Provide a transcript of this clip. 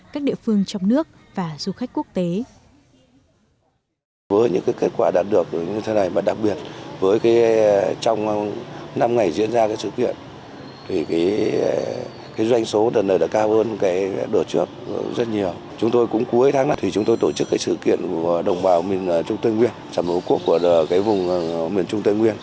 các địa phương trong nước và du khách quốc tế